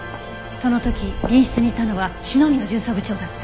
その時隣室にいたのは篠宮巡査部長だった。